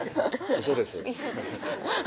ウソです